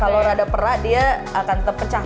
kalau rada perak dia akan tetap pecah